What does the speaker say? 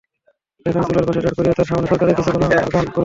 সেখানে চুলার পাশে দাঁড় করিয়ে তাঁর সামনে সরকারের কিছু গুণগান করুন।